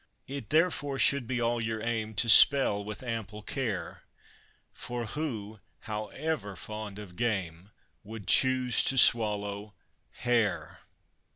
It therefore should be all your aim to spell with ample care; For who, however fond of game, would choose to swallow hair?